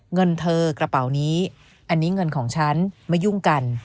เงินเธอกระเป๋านี้อันนี้เงินของฉันไม่ยุ่งกัน